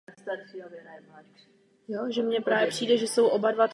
Květní trubka je většinou dlouhá.